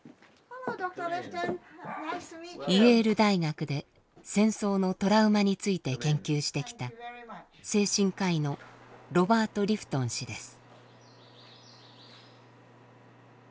イェール大学で戦争のトラウマについて研究してきた精神科医のロバート・リフトン氏です。